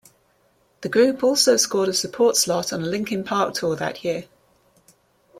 The group also scored a support slot on a Linkin Park tour that year.